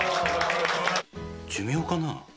寿命かな？